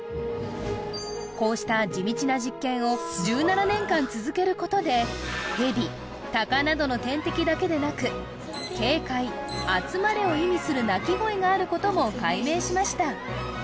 こうした間続けることでヘビタカなどの天敵だけでなく「警戒」「集まれ」を意味する鳴き声があることも解明しました